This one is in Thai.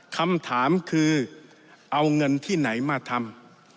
คำถามคือเอาเงินที่ไหนมาทำ